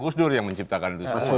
gus dur yang menciptakan itu